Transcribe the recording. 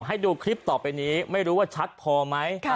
ให้ดูคลิปต่อไปนี้ไม่รู้ว่าชัดพอไหม